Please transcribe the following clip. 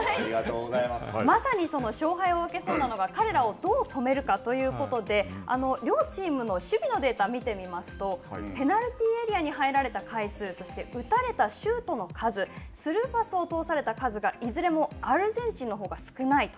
まさに、その勝敗を分けそうなのが彼らをどう止めるかということで両チームの守備のデータを見てみますと、ペナルティーエリアに入られた回数そして打たれたシュートの数、スルーパスを通された数がいずれもアルゼンチンのほうが少ないと。